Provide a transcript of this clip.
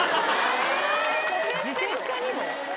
自転車にも？